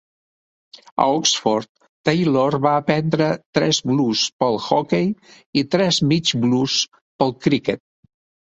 A Oxford, Taylor va aprendre tres blues pel hoquei i tres mig blues pel criquet.